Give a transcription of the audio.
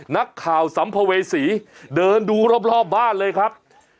นักข่าวสัมภเวษีเดินดูรอบบ้านเลยครับ